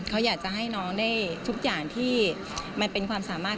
เขาอยากจะให้น้องได้ทุกอย่างที่มันเป็นความสามารถ